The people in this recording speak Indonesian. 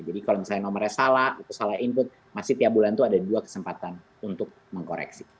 kalau misalnya nomornya salah itu salah input masih tiap bulan itu ada dua kesempatan untuk mengkoreksi